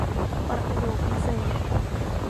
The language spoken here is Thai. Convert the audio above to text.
ประโยควิเศษณ์